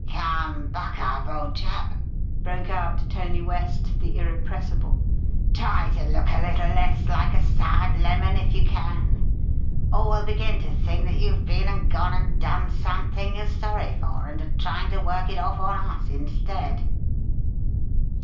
"Come, buck up, old chap!" broke out Tony West, the irrepressible. "Try to look a little less like a soured lemon, if you can! Or we'll begin to think that you've been and gone and done something you're sorry for, and are trying to work it off on us instead."